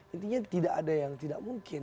intinya tidak ada yang tidak mungkin